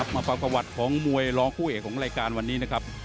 มาฟังประวัติของมวยรองคู่เอกของรายการวันนี้นะครับ